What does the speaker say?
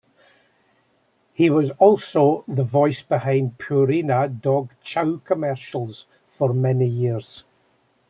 He was also the voice behind Purina Dog Chow commercials for many years.